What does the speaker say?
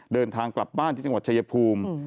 เดินทางกลับบ้านที่จังหวัดชายภูมิ